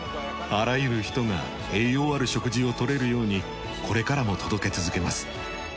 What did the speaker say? あらゆる人が栄養ある食事を取れるようにこれからも届け続けます。